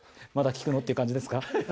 まだ聞くの？っていう感じですか？